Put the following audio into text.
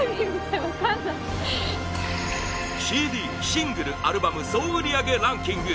シングル・アルバム総売り上げランキング